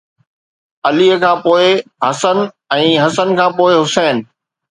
علي کان پوءِ حسن ۽ حسن کان پوءِ حسين